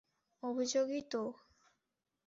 আভিযোগই, তো?